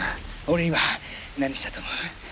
俺今何したと思う？